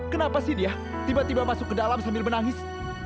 kenapa sih dia tiba tiba masuk ke dalam sambil menangis